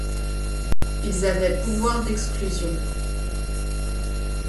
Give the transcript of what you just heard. Ils avaient pouvoir d'exclusion.